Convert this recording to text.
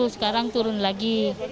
sekarang turun lagi